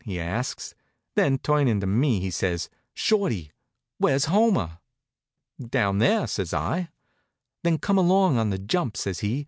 he asks. Then, turnin' to me, he says: "Shorty, where's Homer?" "Down there," says I. "Then come along on the jump," says he.